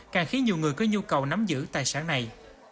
càng khiến nhiều người có nhu cầu nắm giữ tài sản này